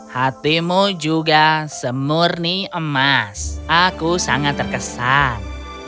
hatimu juga semurni emas aku sangat terkesan